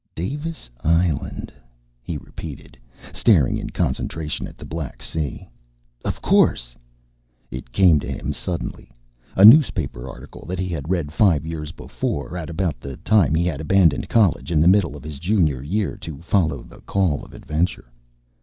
"Davis Island?" he repeated, staring in concentration at the black sea. "Of course!" It came to him suddenly. A newspaper article that he had read five years before, at about the time he had abandoned college in the middle of his junior year, to follow the call of adventure.